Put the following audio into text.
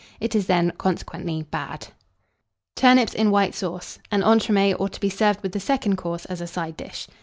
It is then, consequently, bad. TURNIPS IN WHITE SAUCE. (An Entremets, or to be served with the Second Course as a Side dish.)